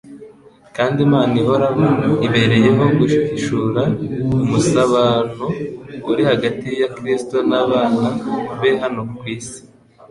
kandi Imana ihoraho ibereyeho guhishura umusabano uri hagati ya Kristo n'abana be hano ku isi.